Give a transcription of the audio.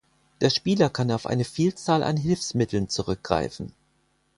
Der Spieler kann auf eine Vielzahl an Hilfsmitteln zurückgreifen.